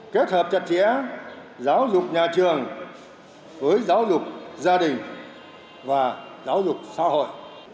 kết hợp chặt chẽ giáo dục nhà trường với giáo dục gia đình và giáo dục xã hội